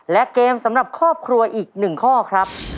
และเกมสำหรับครอบครัวอีก๑ข้อครับ